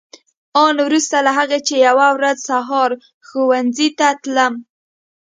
آن وروسته له هغه چې یوه ورځ سهار ښوونځي ته تلم.